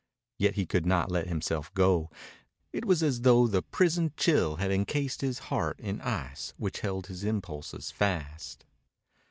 Yet he could not let himself go. It was as though the prison chill had encased his heart in ice which held his impulses fast.